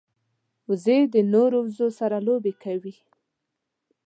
وزې د نورو وزو سره لوبې کوي